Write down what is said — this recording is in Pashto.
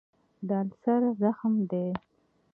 د السر زخم دی.